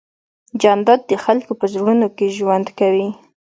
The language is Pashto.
جانداد د خلکو په زړونو کې ژوند کوي.